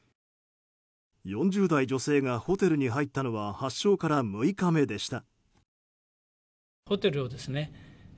４０代女性がホテルに入ったのは発症から６日目でした。